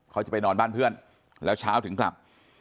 เขาจะไปนอนบ้านเพื่อนแล้วเช้าถึงกลับ